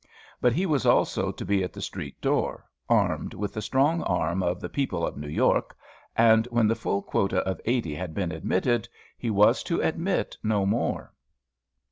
But he was also to be at the street door, armed with the strong arm of "The People of New York," and when the full quota of eighty had been admitted he was to admit no more.